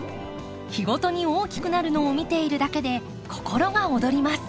日ごとに大きくなるのを見ているだけで心が躍ります。